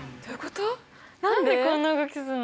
何でこんな動きすんの？